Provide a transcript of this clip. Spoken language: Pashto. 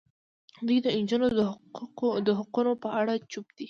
دوی د نجونو د حقونو په اړه چوپ دي.